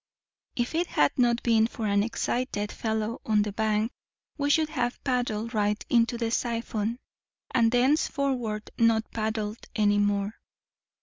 If it had not been for an excited fellow on the bank, we should have paddled right into the siphon, and thenceforward not paddled any more.